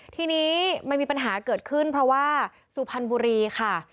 ทีนี้มันมีปัญหาเกิดขึ้นเพราะว่าสุพรรณบุรีค่ะ